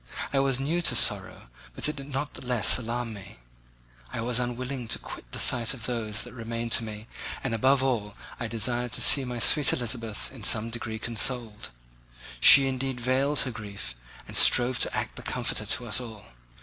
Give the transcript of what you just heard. I was new to sorrow, but it did not the less alarm me. I was unwilling to quit the sight of those that remained to me, and above all, I desired to see my sweet Elizabeth in some degree consoled. She indeed veiled her grief and strove to act the comforter to us all.